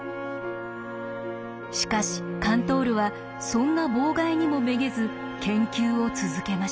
しかしカントールはそんな妨害にもめげず研究を続けました。